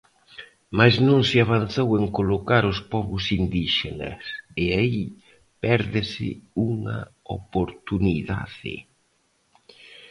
Mais non se avanzou en colocar os pobos indíxenas e aí pérdese unha oportunidade.